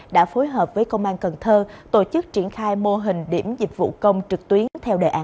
đã phối hợp với công an cần thơ tổ chức triển khai mô hình điểm dịch vụ công trực tuyến theo đề án